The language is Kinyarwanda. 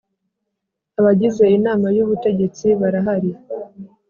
Abagize inama y ‘ubutegetsi barahari.